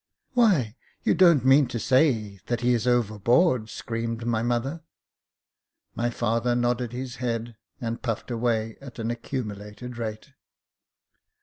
" Wiiy, you don't mean to say that he is overboard ?" screamed my mother. My father nodded his head, and puffed away at an accumulated rate.